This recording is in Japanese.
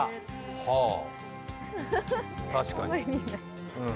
はあ確かにうん。